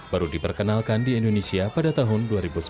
baru diperkenalkan di indonesia pada tahun dua ribu sepuluh